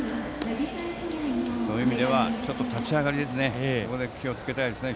そういう意味では立ち上がり気をつけたいですね。